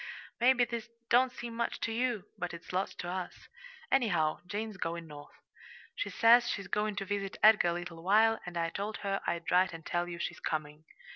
Maybe this don't seem much to you, but it's lots to us. Anyhow, Jane's going North. She says she's going to visit Edgar a little while, and I told her I'd write and tell you she's coming.